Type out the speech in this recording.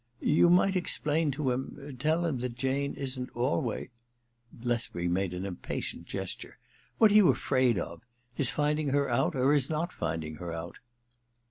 *You might explain to him — tell him that Jane isn't always ^ Lethbury made an impatient gesture. * What are you afraid of ? His finding her out or his not finding her out